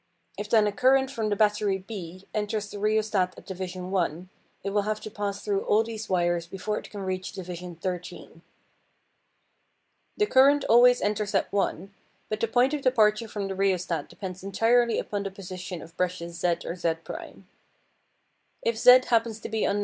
If then a current from the battery B enters the rheostat at division 1 it will have to pass through all these wires before it can reach division 13. The current always enters at 1, but the point of departure from the rheostat depends entirely upon the position of the brushes Z or Z'. If Z happens to be on No.